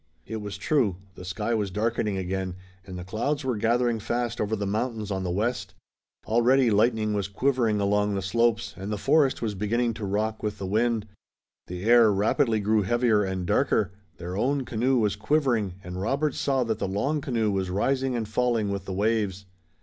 It was true. The sky was darkening again, and the clouds were gathering fast over the mountains on the west. Already lightning was quivering along the slopes, and the forest was beginning to rock with the wind. The air rapidly grew heavier and darker. Their own canoe was quivering, and Robert saw that the long canoe was rising and falling with the waves.